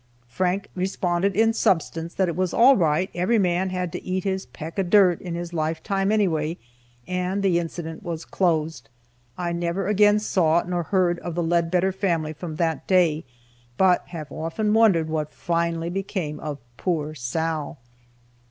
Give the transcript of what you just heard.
Frank responded in substance, that it was all right, every man had to eat his "peck of dirt" in his life time anyway, and the incident was closed. I never again saw nor heard of the Leadbetter family from that day, but have often wondered what finally became of poor "Sal."